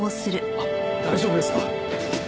あっ大丈夫ですか？